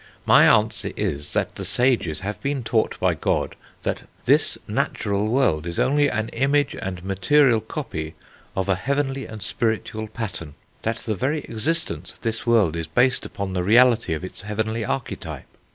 My answer is that the sages have been taught by God that this natural world is only an image and material copy of a heavenly and spiritual pattern; that the very existence of this world is based upon the reality of its heavenly archetype....